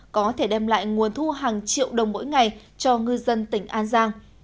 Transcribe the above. có thể đem lại nguồn thu hàng triệu đồng mỗi ngày cho ngư dân tỉnh an giang